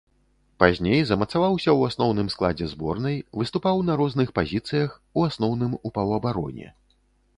Пазней замацаваўся ў асноўным складзе зборнай, выступаў на розных пазіцыях, у асноўным у паўабароне.